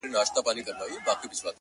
زه هم د هغوی اولاد يم،